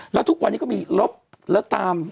แล้วทุกวันนี้ก็มีลบแล้วตาม